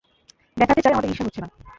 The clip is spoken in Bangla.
দেখাতে চাই, আমাদের ঈর্ষা হচ্ছে না।